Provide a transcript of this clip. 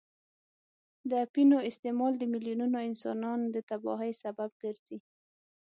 د اپینو استعمال د میلیونونو انسانان د تباهۍ سبب ګرځي.